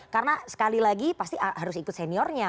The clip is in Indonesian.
karena sekali lagi pasti harus ikut seniornya